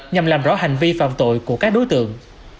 nhằm làm rõ hành vi phạm tội của các đối tượng